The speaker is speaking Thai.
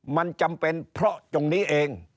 มันจำเป็นเพราะตรงนี้เอง